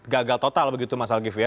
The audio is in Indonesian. gagal total begitu mas al ghifari ya